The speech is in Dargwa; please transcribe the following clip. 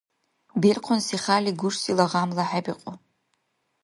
Белкъунси хяли гушсила гъямла хӀебикьу.